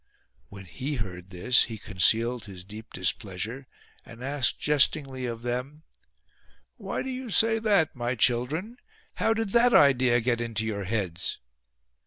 When he heard this he concealed his deep displeasure and asked jestingly of them :" Why do you say that, my children ? How did that idea get into your heads